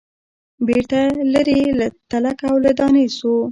بیرته لیري له تلک او له دانې سو